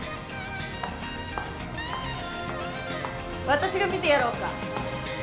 私が診てやろうか？